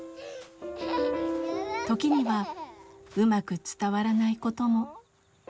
時にはうまく伝わらないことも。